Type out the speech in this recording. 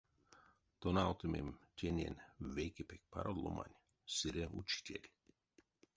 Тонавтымим тенень вейке пек паро ломань — сыре учитель.